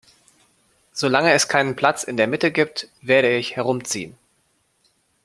So lange es keinen Platz in der Mitte gibt, werde ich herumziehen.